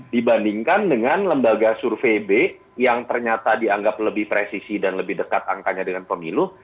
dibandingkan dengan lembaga survei b yang ternyata dianggap lebih presisi dan lebih dekat angkanya dengan pemilu